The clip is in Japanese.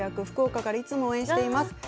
福岡からいつも応援しています。